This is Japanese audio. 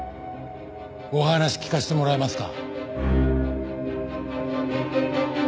お話聞かせてもらえますか。